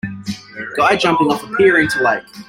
Guy jumping off a pier into lake.